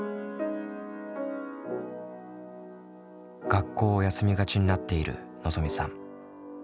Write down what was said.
学校を休みがちになっているのぞみさん。